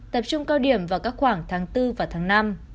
tập trung cao điểm vào các khoảng tháng bốn và tháng năm